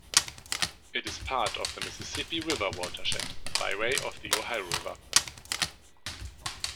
It is part of the Mississippi River watershed, by way of the Ohio River.